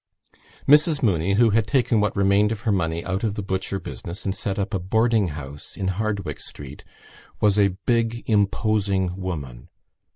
Mrs Mooney, who had taken what remained of her money out of the butcher business and set up a boarding house in Hardwicke Street, was a big imposing woman.